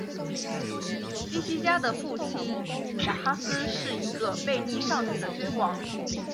希西家的父亲亚哈斯是一个背逆上帝的君王。